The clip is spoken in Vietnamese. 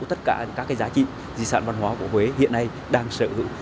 tất cả những giá trị di sản văn hóa của huế hiện nay đang sở hữu